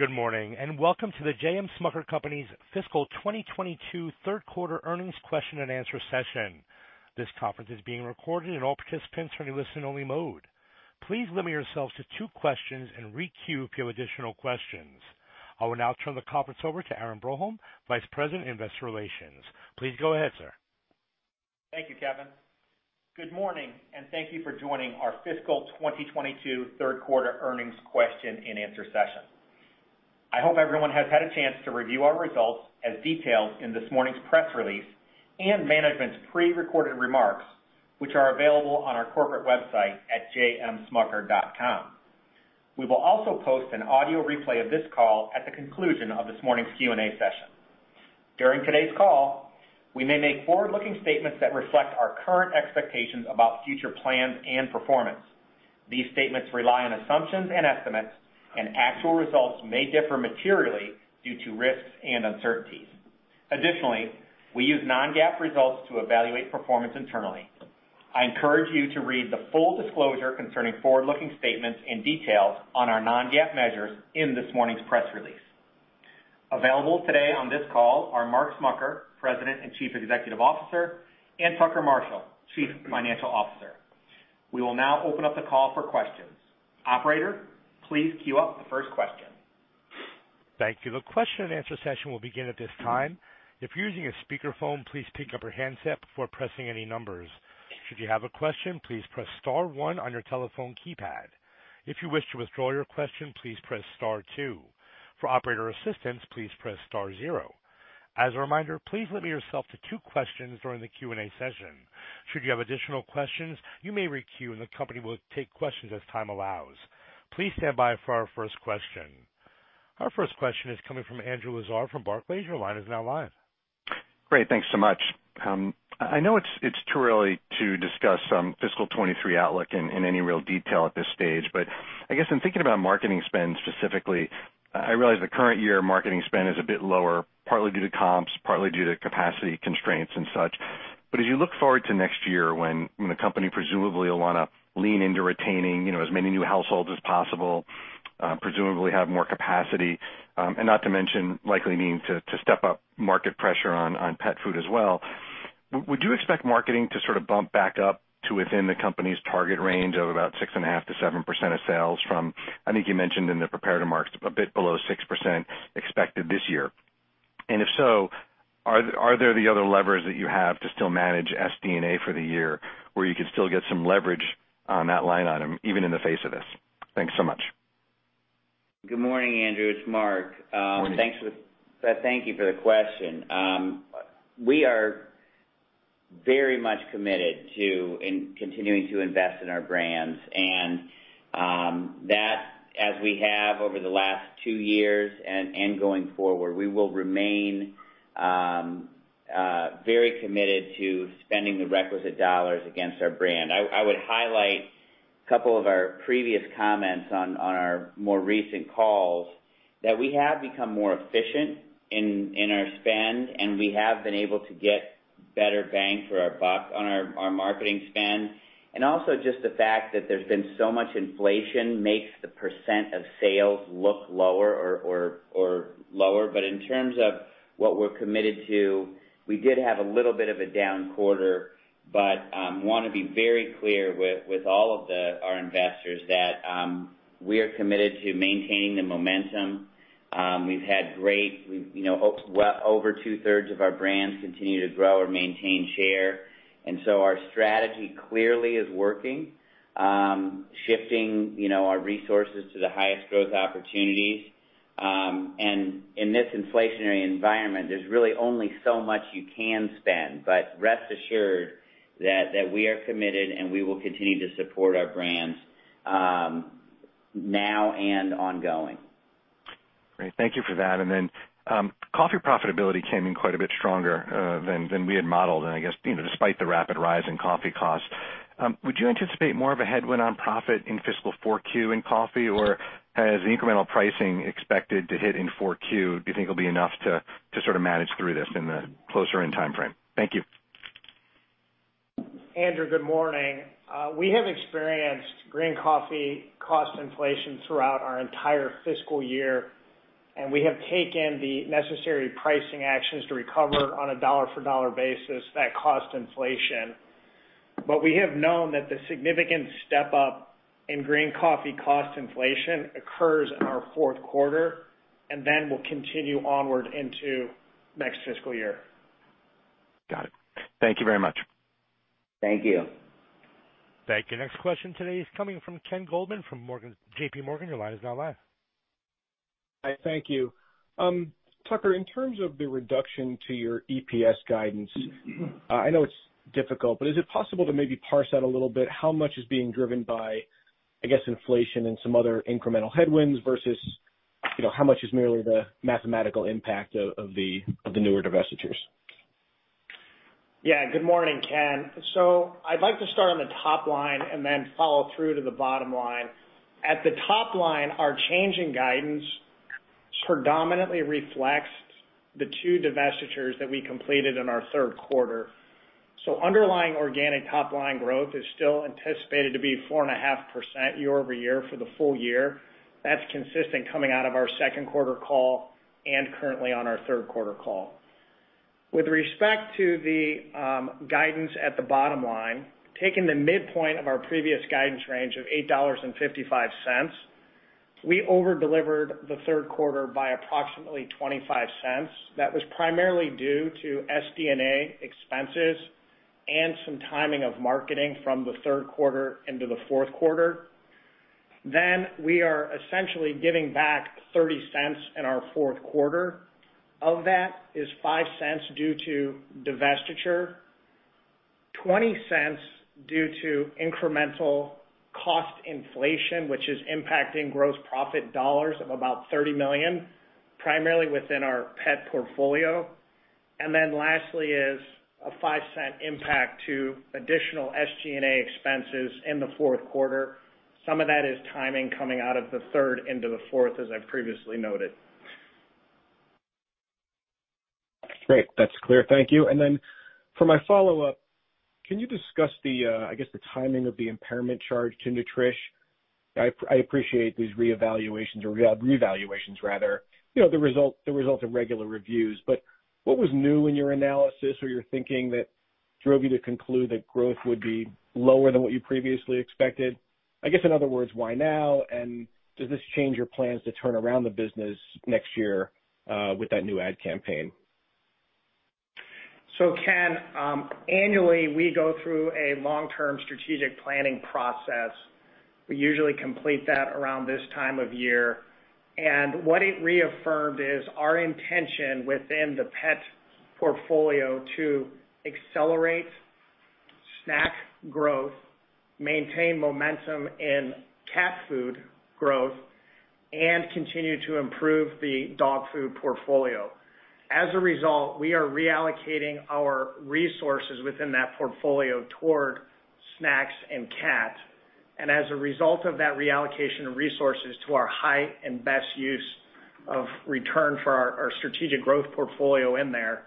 Good morning, and welcome to the J. M. Smucker Company's fiscal 2022 third quarter earnings question-and-answer session. This conference is being recorded and all participants are in listen only mode. Please limit yourselves to two questions and re-queue if you have additional questions. I will now turn the conference over to Aaron Broholm, Vice President, Investor Relations. Please go ahead, sir. Thank you, Kevin. Good morning, and thank you for joining our fiscal 2022 third quarter earnings question-and-answer session. I hope everyone has had a chance to review our results as detailed in this morning's press release and management's prerecorded remarks, which are available on our corporate website at jmsmucker.com. We will also post an audio replay of this call at the conclusion of this morning's Q&A session. During today's call, we may make forward-looking statements that reflect our current expectations about future plans and performance. These statements rely on assumptions and estimates, and actual results may differ materially due to risks and uncertainties. Additionally, we use non-GAAP results to evaluate performance internally. I encourage you to read the full disclosure concerning forward-looking statements and details on our non-GAAP measures in this morning's press release. Available today on this call are Mark Smucker, President and Chief Executive Officer, and Tucker Marshall, Chief Financial Officer. We will now open up the call for questions. Operator, please queue up the first question. Thank you. The question and answer session will begin at this time. If you're using a speakerphone, please pick up your handset before pressing any numbers. Should you have a question, please press star one on your telephone keypad. If you wish to withdraw your question, please press star two. For operator assistance, please press star zero. As a reminder, please limit yourself to two questions during the Q&A session. Should you have additional questions, you may re-queue, and the company will take questions as time allows. Please stand by for our first question. Our first question is coming from Andrew Lazar from Barclays. Your line is now live. Great. Thanks so much. I know it's too early to discuss fiscal 2023 outlook in any real detail at this stage, but I guess in thinking about marketing spend specifically, I realize the current year marketing spend is a bit lower, partly due to comps, partly due to capacity constraints and such. As you look forward to next year when the company presumably will wanna lean into retaining, you know, as many new households as possible, presumably have more capacity, and not to mention likely needing to step up market pressure on pet food as well, would you expect marketing to sort of bump back up to within the company's target range of about 6.5%-7% of sales from, I think you mentioned in the prepared remarks, a bit below 6% expected this year. If so, are there the other levers that you have to still manage SG&A for the year where you could still get some leverage on that line item even in the face of this? Thanks so much. Good morning, Andrew. It's Mark. Morning. Thank you for the question. We are very much committed to continuing to invest in our brands. That, as we have over the last two years and going forward, we will remain very committed to spending the requisite dollars against our brand. I would highlight couple of our previous comments on our more recent calls that we have become more efficient in our spend, and we have been able to get better bang for our buck on our marketing spend. Also just the fact that there's been so much inflation makes the percent of sales look lower. In terms of what we're committed to, we did have a little bit of a down quarter, but wanna be very clear with all of our investors that we are committed to maintaining the momentum. We've, you know, well over two-thirds of our brands continue to grow or maintain share. Our strategy clearly is working, shifting, you know, our resources to the highest growth opportunities. In this inflationary environment, there's really only so much you can spend. Rest assured that we are committed, and we will continue to support our brands, now and ongoing. Great. Thank you for that. Then, coffee profitability came in quite a bit stronger than we had modeled, and I guess, you know, despite the rapid rise in coffee costs. Would you anticipate more of a headwind on profit in fiscal 4Q in coffee? Or has the incremental pricing expected to hit in 4Q, do you think it'll be enough to sort of manage through this in the closer in timeframe? Thank you. Andrew, good morning. We have experienced green coffee cost inflation throughout our entire fiscal year, and we have taken the necessary pricing actions to recover on a dollar for dollar basis that cost inflation. We have known that the significant step up in green coffee cost inflation occurs in our fourth quarter and then will continue onward into next fiscal year. Got it. Thank you very much. Thank you. Thank you. Next question today is coming from Ken Goldman from J.P. Morgan. Your line is now live. Hi, thank you. Tucker, in terms of the reduction to your EPS guidance, I know it's difficult, but is it possible to maybe parse out a little bit how much is being driven by, I guess, inflation and some other incremental headwinds versus, you know, how much is merely the mathematical impact of the newer divestitures? Yeah. Good morning, Ken. I'd like to start on the top line and then follow through to the bottom line. At the top line, our change in guidance. Predominantly reflects the two divestitures that we completed in our third quarter. Underlying organic top line growth is still anticipated to be 4.5% year-over-year for the full year. That's consistent coming out of our second quarter call and currently on our third quarter call. With respect to the guidance at the bottom line, taking the midpoint of our previous guidance range of $8.55, we over-delivered the third quarter by approximately $0.25. That was primarily due to SG&A expenses and some timing of marketing from the third quarter into the fourth quarter. We are essentially giving back $0.30 in our fourth quarter. Of that is $0.05 due to divestiture, $0.20 due to incremental cost inflation, which is impacting gross profit dollars of about $30 million, primarily within our pet portfolio. Lastly is a $0.05 impact to additional SG&A expenses in the fourth quarter. Some of that is timing coming out of the third into the fourth, as I previously noted. Great. That's clear. Thank you. Then for my follow-up, can you discuss the, I guess the timing of the impairment charge to Nutrish? I appreciate these re-evaluations rather, you know, the result of regular reviews. What was new in your analysis or your thinking that drove you to conclude that growth would be lower than what you previously expected? I guess, in other words, why now? Does this change your plans to turn around the business next year, with that new ad campaign? Ken, annually we go through a long-term strategic planning process. We usually complete that around this time of year. What it reaffirmed is our intention within the pet portfolio to accelerate snack growth, maintain momentum in cat food growth, and continue to improve the dog food portfolio. As a result, we are reallocating our resources within that portfolio toward snacks and cat. As a result of that reallocation of resources to our high and best use of return for our strategic growth portfolio in there,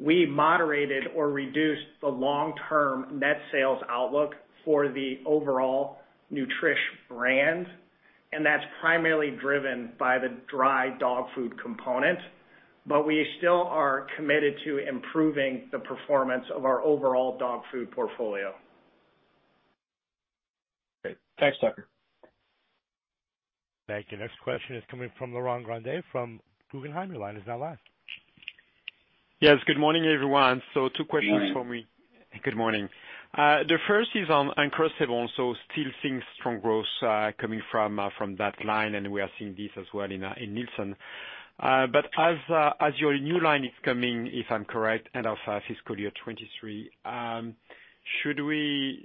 we moderated or reduced the long-term net sales outlook for the overall Nutrish brand, and that's primarily driven by the dry dog food component. We still are committed to improving the performance of our overall dog food portfolio. Great. Thanks, Tucker. Thank you. Next question is coming from Laurent Grandet from Guggenheim. Your line is now live. Yes, good morning, everyone. Two questions from me. Good morning. Good morning. The first is on Uncrustables. Still seeing strong growth coming from that line, and we are seeing this as well in Nielsen. As your new line is coming, if I'm correct, end of fiscal year 2023,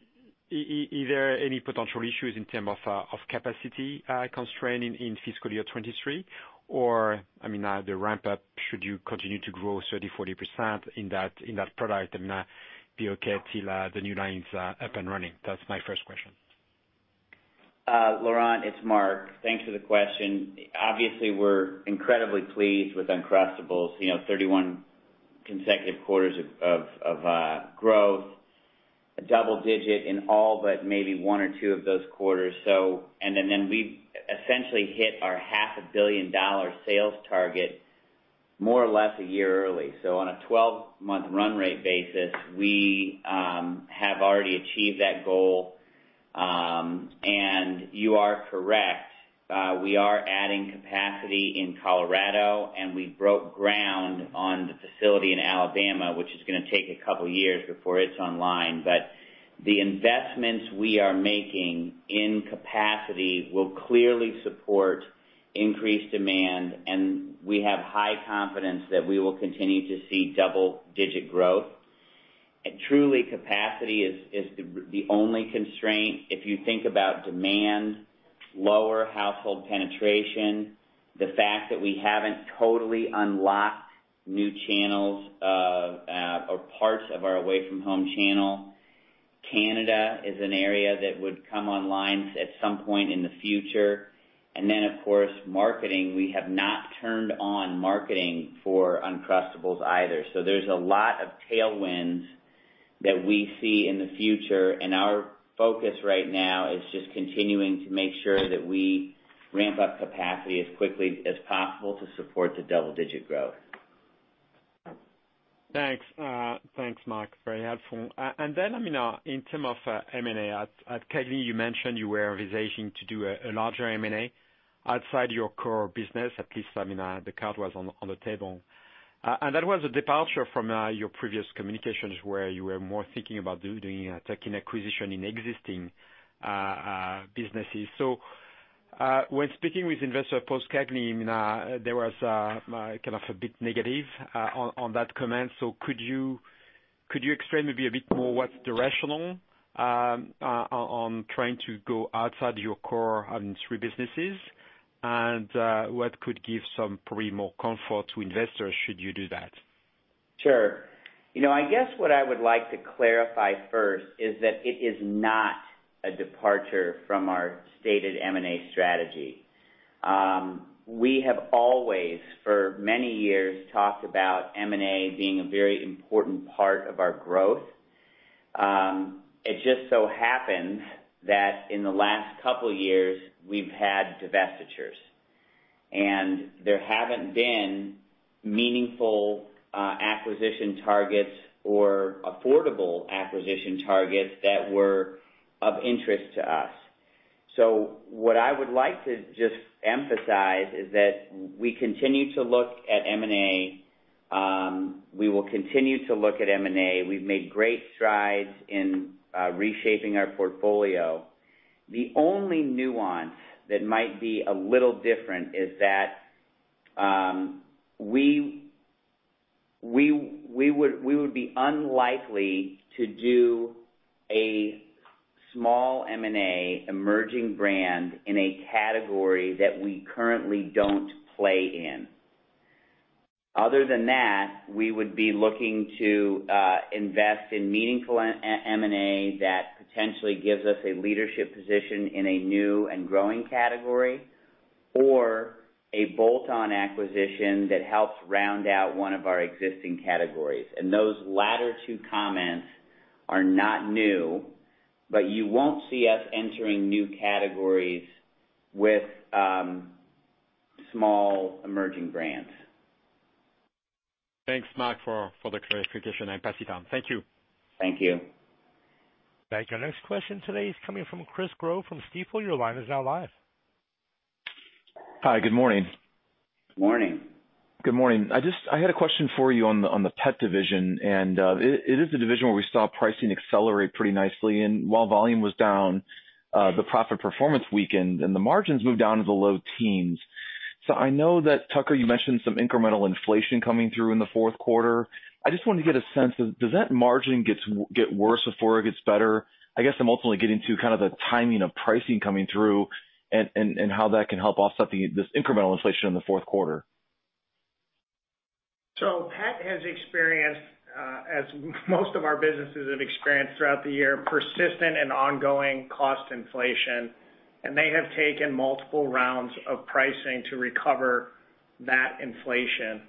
is there any potential issues in terms of capacity constraints in fiscal year 2023? Or I mean, the ramp up, should you continue to grow 30%-40% in that product and be okay till the new line's up and running? That's my first question. Laurent, it's Mark. Thanks for the question. Obviously, we're incredibly pleased with Uncrustables, you know, 31 consecutive quarters of growth, double digit in all but maybe one or two of those quarters. We essentially hit our half a billion dollar sales target more or less a year early. On a 12-month run rate basis, we have already achieved that goal. You are correct. We are adding capacity in Colorado, and we broke ground on the facility in Alabama, which is gonna take a couple of years before it's online. The investments we are making in capacity will clearly support increased demand, and we have high confidence that we will continue to see double digit growth. Truly, capacity is the only constraint. If you think about demand, lower household penetration, the fact that we haven't totally unlocked new channels or parts of our away from home channel. Canada is an area that would come online at some point in the future. Then, of course, marketing, we have not turned on marketing for Uncrustables either. There's a lot of tailwinds that we see in the future, and our focus right now is just continuing to make sure that we ramp up capacity as quickly as possible to support the double-digit growth. Thanks. Thanks, Mark. Very helpful. Then, I mean, in terms of M&A, at CAGNY, you mentioned you were envisioning to do a larger M&A outside your core business, at least, I mean, the card was on the table. That was a departure from your previous communications, where you were more thinking about doing acquisitions in existing businesses. When speaking with investors post-CAGNY, I mean, there was kind of a bit negative on that comment. Could you explain maybe a bit more what's the rationale on trying to go outside your core industry businesses? What could give some probably more comfort to investors should you do that? Sure. You know, I guess what I would like to clarify first is that it is not a departure from our stated M&A strategy. We have always, for many years, talked about M&A being a very important part of our growth. It just so happens that in the last couple years we've had divestitures. There haven't been meaningful acquisition targets or affordable acquisition targets that were of interest to us. What I would like to just emphasize is that we continue to look at M&A. We will continue to look at M&A. We've made great strides in reshaping our portfolio. The only nuance that might be a little different is that we would be unlikely to do a small M&A emerging brand in a category that we currently don't play in. Other than that, we would be looking to invest in meaningful M&A that potentially gives us a leadership position in a new and growing category, or a bolt-on acquisition that helps round out one of our existing categories. Those latter two comments are not new, but you won't see us entering new categories with small emerging brands. Thanks, Mark, for the clarification. I pass you, Tom. Thank you. Thank you. Thank you. Next question today is coming from Chris Growe from Stifel. Your line is now live. Hi, good morning. Morning. Good morning. I had a question for you on the pet division, and it is the division where we saw pricing accelerate pretty nicely. While volume was down, the profit performance weakened and the margins moved down to the low teens%. I know that, Tucker, you mentioned some incremental inflation coming through in the fourth quarter. I just wanted to get a sense of does that margin get worse before it gets better? I guess I'm ultimately getting to kind of the timing of pricing coming through and how that can help offset this incremental inflation in the fourth quarter. Pet has experienced, as most of our businesses have experienced throughout the year, persistent and ongoing cost inflation, and they have taken multiple rounds of pricing to recover that inflation.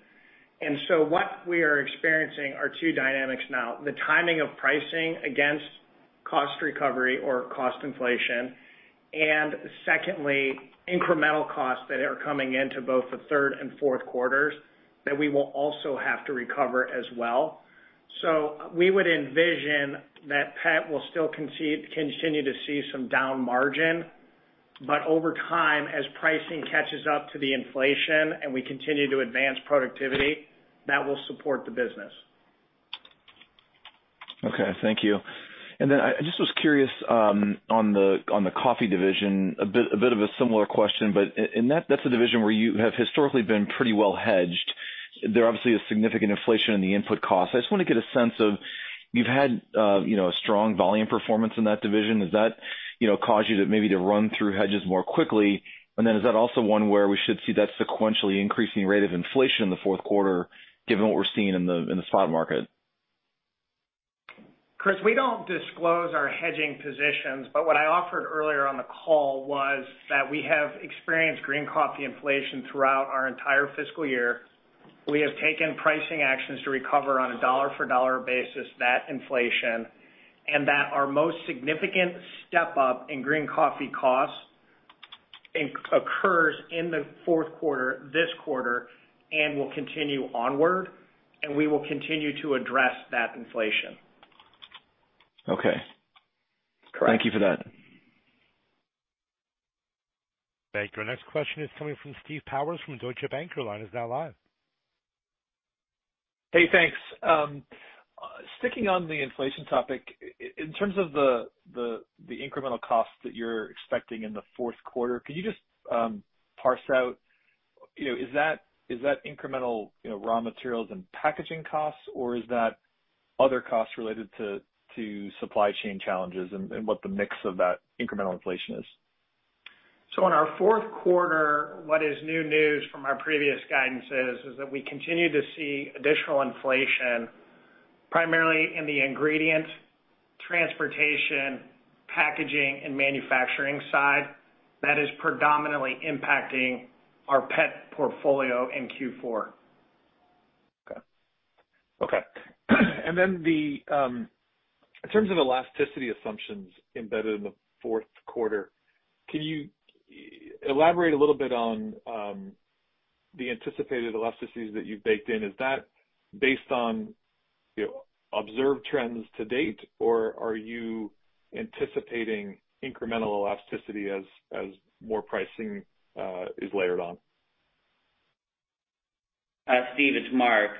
What we are experiencing are two dynamics now, the timing of pricing against cost recovery or cost inflation, and secondly, incremental costs that are coming into both the third and fourth quarters that we will also have to recover as well. We would envision that Pet will still continue to see some down margin, but over time, as pricing catches up to the inflation and we continue to advance productivity, that will support the business. Okay. Thank you. Then I just was curious on the coffee division, a bit of a similar question, but in that's the division where you have historically been pretty well hedged. There obviously is significant inflation in the input costs. I just wanna get a sense of you've had, you know, a strong volume performance in that division. Has that, you know, caused you to maybe to run through hedges more quickly? Then is that also one where we should see that sequentially increasing rate of inflation in the fourth quarter given what we're seeing in the spot market? Chris, we don't disclose our hedging positions, but what I offered earlier on the call was that we have experienced green coffee inflation throughout our entire fiscal year. We have taken pricing actions to recover on a dollar-for-dollar basis that inflation, and that our most significant step up in green coffee costs occurs in the fourth quarter, this quarter, and will continue onward, and we will continue to address that inflation. Okay. That's correct. Thank you for that. Thank you. Our next question is coming from Steve Powers from Deutsche Bank. Your line is now live. Hey, thanks. Sticking on the inflation topic, in terms of the incremental costs that you're expecting in the fourth quarter, can you just parse out, you know, is that incremental, you know, raw materials and packaging costs, or is that other costs related to supply chain challenges and what the mix of that incremental inflation is? In our fourth quarter, what is new news from our previous guidances is that we continue to see additional inflation primarily in the ingredient, transportation, packaging and manufacturing side that is predominantly impacting our Pet Portfolio in Q4. Okay. In terms of elasticity assumptions embedded in the fourth quarter, can you elaborate a little bit on the anticipated elasticities that you've baked in? Is that based on, you know, observed trends to date, or are you anticipating incremental elasticity as more pricing is layered on? Steve, it's Mark.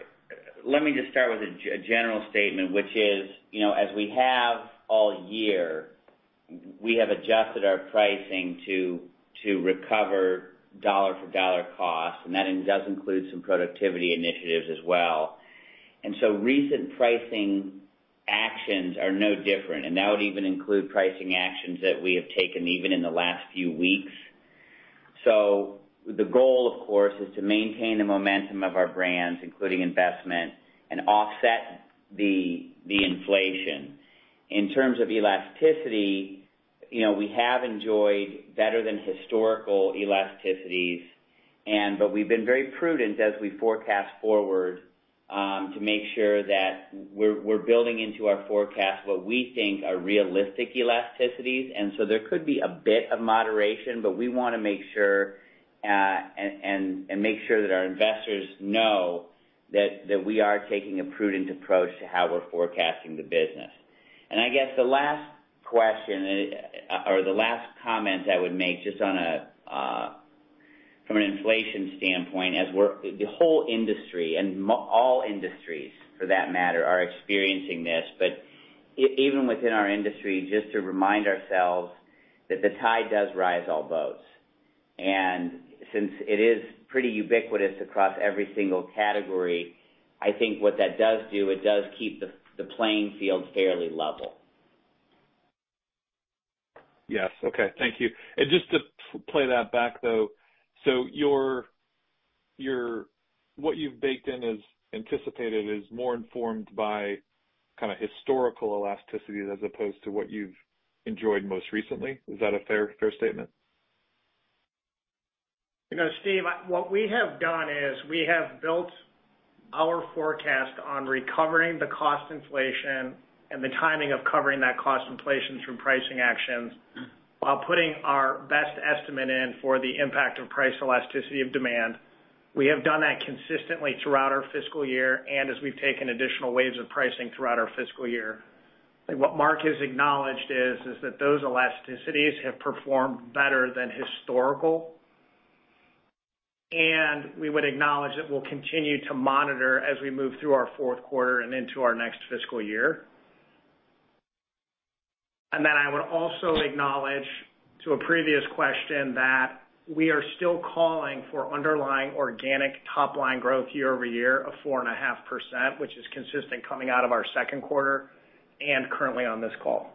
Let me just start with a general statement, which is, you know, as we have all year, we have adjusted our pricing to recover dollar for dollar cost, and that does include some productivity initiatives as well. That would even include pricing actions that we have taken even in the last few weeks. The goal, of course, is to maintain the momentum of our brands, including investment, and offset the inflation. In terms of elasticity, you know, we have enjoyed better than historical elasticities, but we've been very prudent as we forecast forward, to make sure that we're building into our forecast what we think are realistic elasticities. There could be a bit of moderation, but we wanna make sure and make sure that our investors know that we are taking a prudent approach to how we're forecasting the business. I guess the last question or the last comment I would make, just from an inflation standpoint, the whole industry and all industries for that matter are experiencing this. Even within our industry, just to remind ourselves that the tide does rise all boats. Since it is pretty ubiquitous across every single category, I think what that does do, it does keep the playing field fairly level. Yes. Okay. Thank you. Just to play that back, though, so your what you've baked in is more informed by kinda historical elasticities as opposed to what you've enjoyed most recently. Is that a fair statement? You know, Steve, what we have done is we have built our forecast on recovering the cost inflation and the timing of covering that cost inflation from pricing actions while putting our best estimate in for the impact of price elasticity of demand. We have done that consistently throughout our fiscal year and as we've taken additional waves of pricing throughout our fiscal year. What Mark has acknowledged is that those elasticities have performed better than historical. We would acknowledge that we'll continue to monitor as we move through our fourth quarter and into our next fiscal year. I would also acknowledge to a previous question that we are still calling for underlying organic top line growth year-over-year of 4.5%, which is consistent coming out of our second quarter and currently on this call.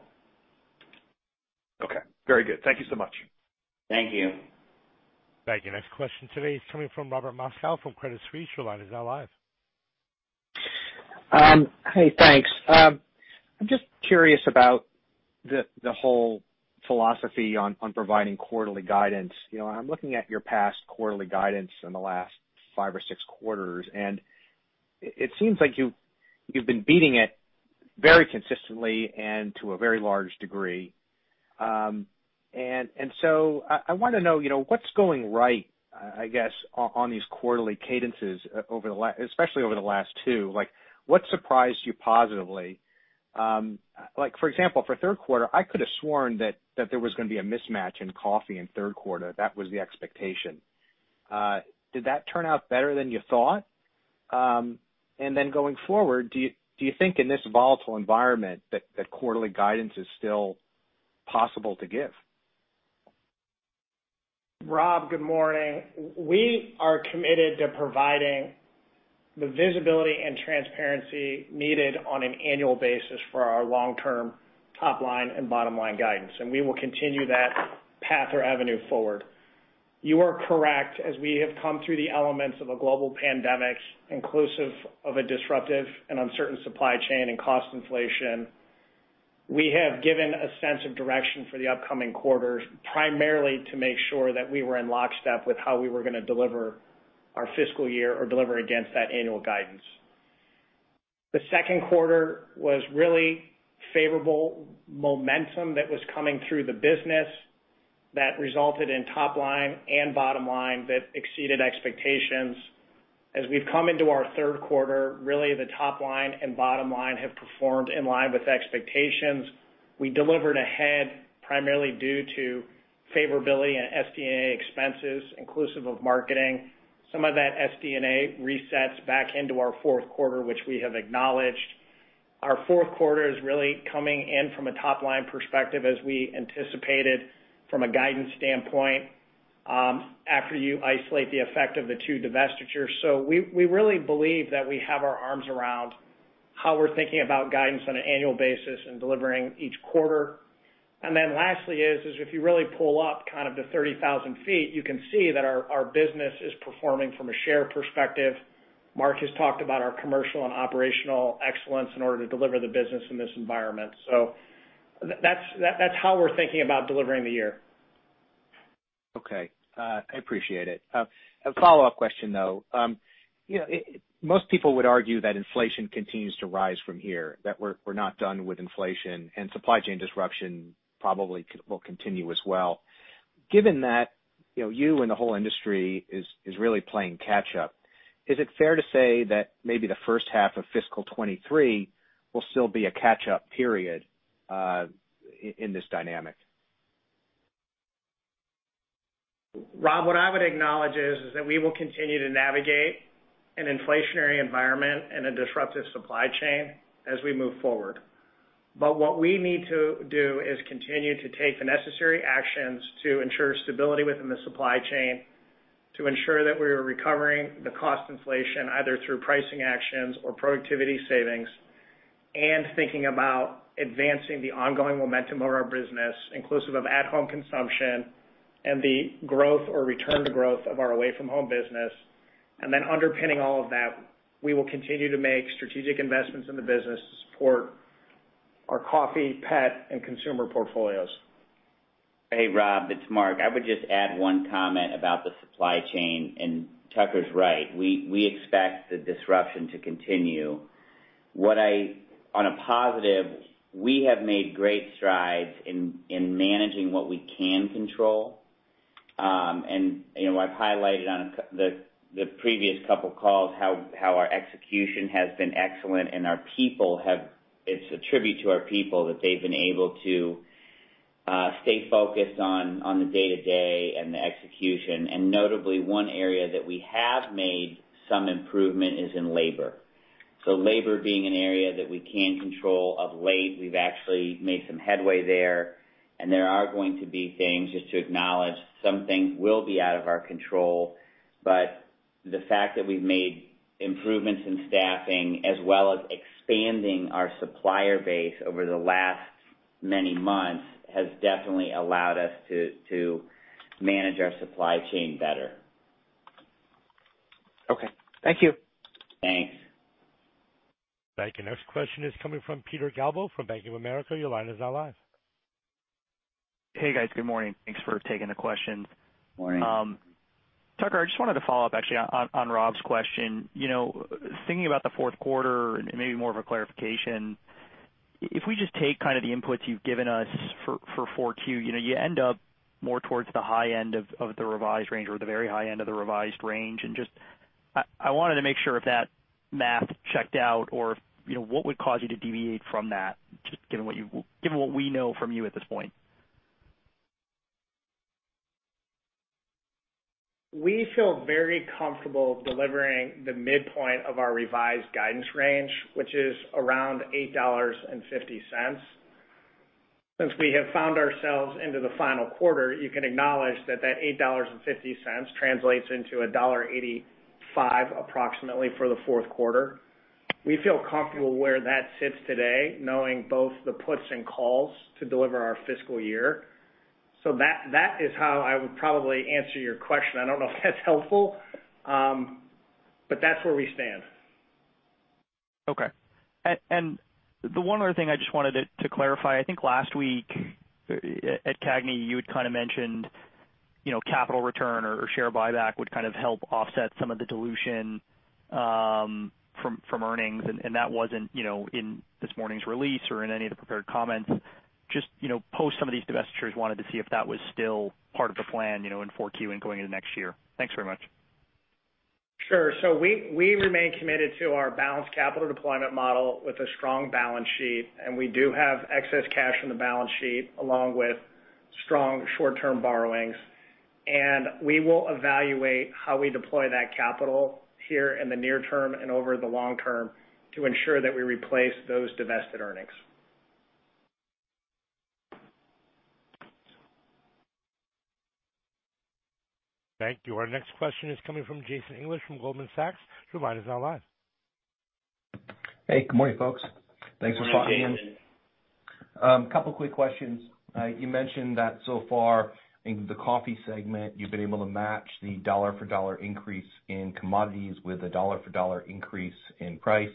Okay. Very good. Thank you so much. Thank you. Thank you. Next question today is coming from Robert Moskow from Credit Suisse. Your line is now live. Hey, thanks. I'm just curious about the whole philosophy on providing quarterly guidance. You know, I'm looking at your past quarterly guidance in the last five or six quarters, and it seems like you've been beating it very consistently and to a very large degree. So I wanna know, you know, what's going right, I guess, on these quarterly cadences especially over the last two. Like, what surprised you positively? Like, for example, for third quarter, I could have sworn that there was gonna be a mismatch in coffee in third quarter. That was the expectation. Did that turn out better than you thought? Then going forward, do you think in this volatile environment that quarterly guidance is still possible to give? Rob, good morning. We are committed to providing the visibility and transparency needed on an annual basis for our long-term top line and bottom line guidance, and we will continue that path or avenue forward. You are correct, as we have come through the elements of a global pandemic, inclusive of a disruptive and uncertain supply chain and cost inflation, we have given a sense of direction for the upcoming quarters, primarily to make sure that we were in lockstep with how we were gonna deliver our fiscal year or deliver against that annual guidance. The second quarter was really favorable momentum that was coming through the business that resulted in top line and bottom line that exceeded expectations. As we've come into our third quarter, really the top line and bottom line have performed in line with expectations. We delivered ahead primarily due to favorability and SG&A expenses, inclusive of marketing. Some of that SG&A resets back into our fourth quarter, which we have acknowledged. Our fourth quarter is really coming in from a top line perspective as we anticipated from a guidance standpoint, after you isolate the effect of the two divestitures. We really believe that we have our arms around how we're thinking about guidance on an annual basis and delivering each quarter. Then lastly is if you really pull up kind of the 30,000 feet, you can see that our business is performing from a share perspective. Mark has talked about our commercial and operational excellence in order to deliver the business in this environment. That's how we're thinking about delivering the year. Okay. I appreciate it. A follow-up question, though. You know, most people would argue that inflation continues to rise from here, that we're not done with inflation, and supply chain disruption probably will continue as well. Given that, you know, you and the whole industry is really playing catch-up, is it fair to say that maybe the first half of fiscal 2023 will still be a catch-up period, in this dynamic? Rob, what I would acknowledge is that we will continue to navigate an inflationary environment and a disruptive supply chain as we move forward. What we need to do is continue to take the necessary actions to ensure stability within the supply chain, to ensure that we are recovering the cost inflation either through pricing actions or productivity savings. Thinking about advancing the ongoing momentum of our business, inclusive of at-home consumption and the growth or return to growth of our away-from-home business. Underpinning all of that, we will continue to make strategic investments in the business to support our coffee, pet, and consumer portfolios. Hey, Rob, it's Mark. I would just add one comment about the supply chain, and Tucker's right. We expect the disruption to continue. On a positive, we have made great strides in managing what we can control. You know, I've highlighted on the previous couple calls how our execution has been excellent and our people have. It's a tribute to our people that they've been able to stay focused on the day-to-day and the execution. Notably, one area that we have made some improvement is in labor. Labor being an area that we can control. Of late, we've actually made some headway there, and there are going to be things, just to acknowledge, some things will be out of our control. The fact that we've made improvements in staffing as well as expanding our supplier base over the last many months has definitely allowed us to manage our supply chain better. Okay. Thank you. Thanks. Thank you. Next question is coming from Peter Galbo from Bank of America. Your line is now live. Hey, guys. Good morning. Thanks for taking the question. Morning. Tucker, I just wanted to follow up actually on Rob's question. You know, thinking about the fourth quarter and maybe more of a clarification, if we just take kind of the inputs you've given us for 4Q, you know, you end up more towards the high end of the revised range or the very high end of the revised range. Just I wanted to make sure if that math checked out or if, you know, what would cause you to deviate from that, just given what we know from you at this point. We feel very comfortable delivering the midpoint of our revised guidance range, which is around $8.50. Since we have found ourselves into the final quarter, you can acknowledge that $8.50 translates into approximately $1.85 for the fourth quarter. We feel comfortable where that sits today, knowing both the puts and takes to deliver our fiscal year. That is how I would probably answer your question. I don't know if that's helpful, but that's where we stand. Okay. The one other thing I just wanted to clarify, I think last week at CAGNY, you had kind of mentioned, you know, capital return or share buyback would kind of help offset some of the dilution from earnings. That wasn't, you know, in this morning's release or in any of the prepared comments. Just, you know, post some of these divestitures, wanted to see if that was still part of the plan, you know, in Q4 and going into next year. Thanks very much. Sure. We remain committed to our balanced capital deployment model with a strong balance sheet, and we do have excess cash in the balance sheet along with strong short-term borrowings. We will evaluate how we deploy that capital here in the near term and over the long term to ensure that we replace those divested earnings. Thank you. Our next question is coming from Jason English from Goldman Sachs. Your line is now live. Hey, good morning, folks. Thanks for taking- Good morning, Jason. A couple quick questions. You mentioned that so far in the coffee segment, you've been able to match the dollar for dollar increase in commodities with a dollar for dollar increase in price.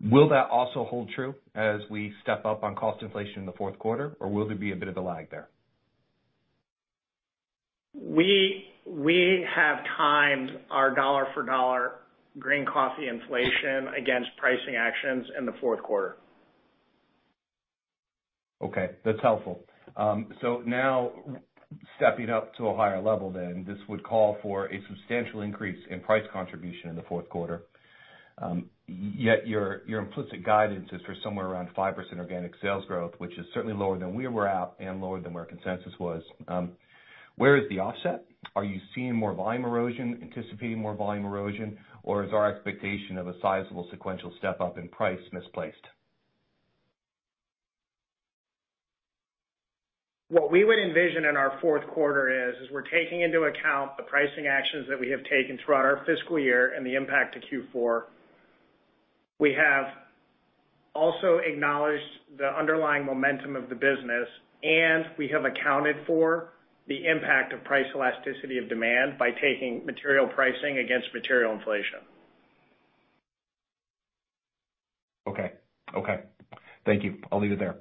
Will that also hold true as we step up on cost inflation in the fourth quarter, or will there be a bit of a lag there? We have timed our dollar for dollar green coffee inflation against pricing actions in the fourth quarter. Okay, that's helpful. Now stepping up to a higher level then, this would call for a substantial increase in price contribution in the fourth quarter. Yet your implicit guidance is for somewhere around 5% organic sales growth, which is certainly lower than we were at and lower than where consensus was. Where is the offset? Are you seeing more volume erosion, anticipating more volume erosion, or is our expectation of a sizable sequential step up in price misplaced? What we would envision in our fourth quarter is we're taking into account the pricing actions that we have taken throughout our fiscal year and the impact to Q4. We have also acknowledged the underlying momentum of the business, and we have accounted for the impact of price elasticity of demand by taking material pricing against material inflation. Okay. Thank you. I'll leave it there.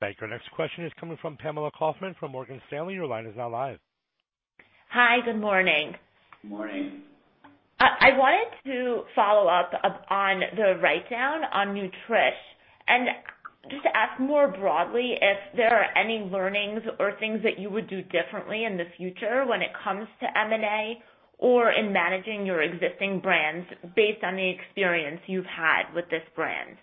Thank you. Our next question is coming from Pamela Kaufman from Morgan Stanley. Your line is now live. Hi, good morning. Morning. I wanted to follow up on the write-down on Nutrish and just ask more broadly if there are any learnings or things that you would do differently in the future when it comes to M&A or in managing your existing brands based on the experience you've had with this brand.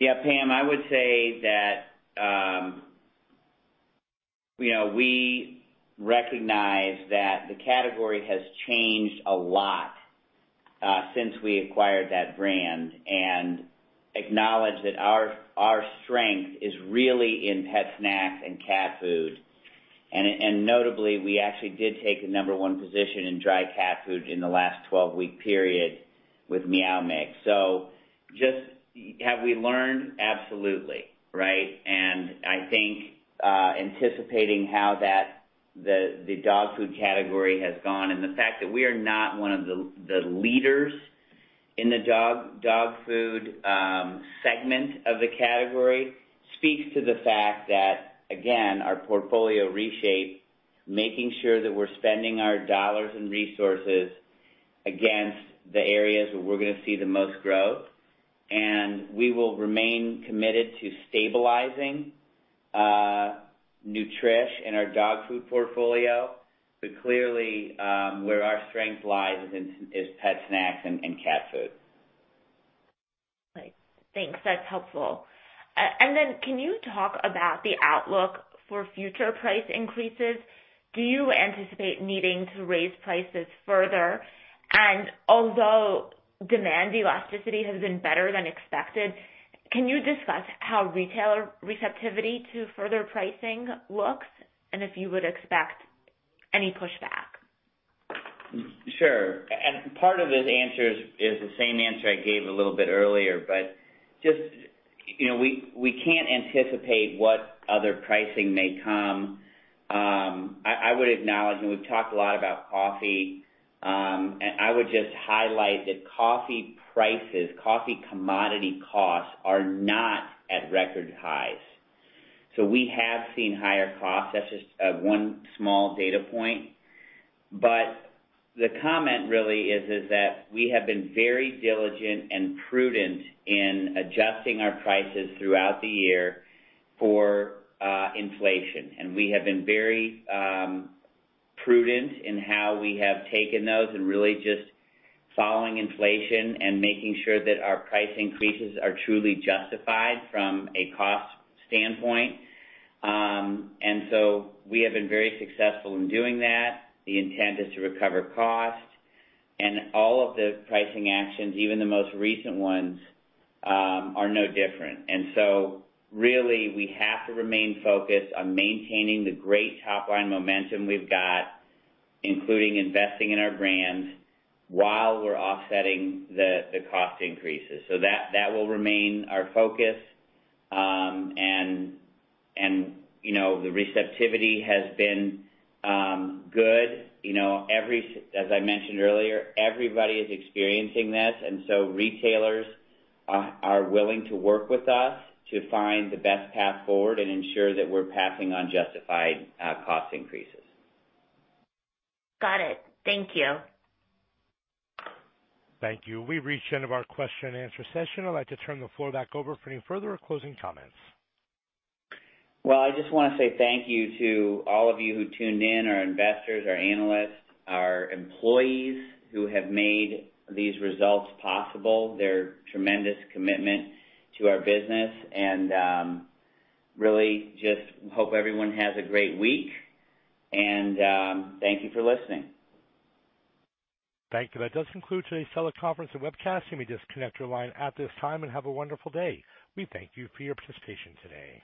Yeah, Pam, I would say that, you know, we recognize that the category has changed a lot since we acquired that brand and acknowledge that our strength is really in pet snacks and cat food. Notably, we actually did take the number one position in dry cat food in the last 12-week period with Meow Mix. So just have we learned? Absolutely, right? I think, anticipating how that the dog food category has gone and the fact that we are not one of the leaders in the dog food segment of the category speaks to the fact that, again, our portfolio reshaped, making sure that we're spending our dollars and resources against the areas where we're gonna see the most growth. We will remain committed to stabilizing Nutrish in our dog food portfolio. Clearly, where our strength lies is in pet snacks and cat food. Right. Thanks. That's helpful. Can you talk about the outlook for future price increases? Do you anticipate needing to raise prices further? Although demand elasticity has been better than expected, can you discuss how retailer receptivity to further pricing looks and if you would expect any pushback? Sure. Part of this answer is the same answer I gave a little bit earlier. Just, you know, we can't anticipate what other pricing may come. I would acknowledge, and we've talked a lot about coffee, and I would just highlight that coffee prices, coffee commodity costs are not at record highs. We have seen higher costs. That's just one small data point. The comment really is that we have been very diligent and prudent in adjusting our prices throughout the year for inflation. We have been very prudent in how we have taken those and really just following inflation and making sure that our price increases are truly justified from a cost standpoint. We have been very successful in doing that. The intent is to recover cost and all of the pricing actions, even the most recent ones, are no different. Really we have to remain focused on maintaining the great top-line momentum we've got, including investing in our brands while we're offsetting the cost increases. That will remain our focus. You know, the receptivity has been good. You know, as I mentioned earlier, everybody is experiencing this, and so retailers are willing to work with us to find the best path forward and ensure that we're passing on justified cost increases. Got it. Thank you. Thank you. We've reached the end of our question-and-answer session. I'd like to turn the floor back over for any further closing comments. Well, I just wanna say thank you to all of you who tuned in, our investors, our analysts, our employees who have made these results possible, their tremendous commitment to our business. I really just hope everyone has a great week and thank you for listening. Thank you. That does conclude today's teleconference and webcast. You may disconnect your line at this time and have a wonderful day. We thank you for your participation today.